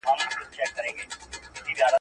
نوی نسل بايد د تېرو پېښو ژوره مطالعه وکړي.